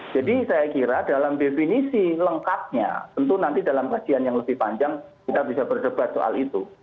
jadi saya kira dalam definisi lengkapnya tentu nanti dalam kajian yang lebih panjang kita bisa berdebat soal itu